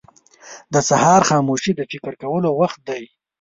• د سهار خاموشي د فکر کولو وخت دی.